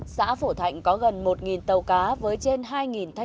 xã phổ thạnh có gần một tàu cá với trên hai thanh thiếu niên